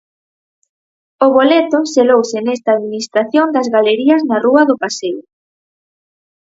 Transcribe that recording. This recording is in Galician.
O boleto selouse nesta administración das galerías na rúa do Paseo.